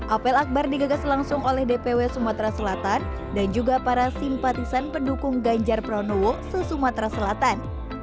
apel akbar digagas langsung oleh dpw sumatera selatan dan juga para simpatisan pendukung ganjar pranowo se sumatera selatan